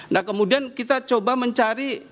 nah kemudian kita coba mencari